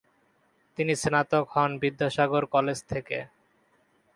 তিনি স্নাতক হন বিদ্যাসাগর কলেজ থেকে।